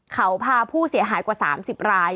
เขาพาผู้เสียหายกว่า๓๐ราย